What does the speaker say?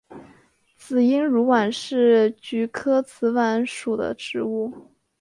紫缨乳菀是菊科紫菀属的植物。